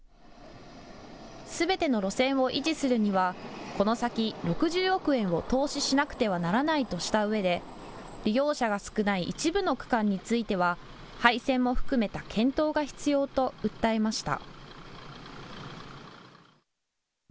すべての路線を維持するにはこの先、６０億円を投資しなくてはならないとしたうえで利用者が少ない一部の区間については廃線も含めた検討が必要と訴えました。